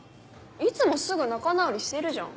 いつもすぐ仲直りしてるじゃん。